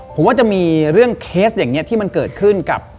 ผมว่าจะมีเรื่องเคสอย่างนี้ที่มันเกิดขึ้นกับ